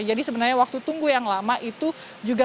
jadi sebenarnya waktu tunggu yang lama itu juga menunggu